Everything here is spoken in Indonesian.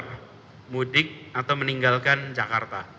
untuk mudik atau meninggalkan jakarta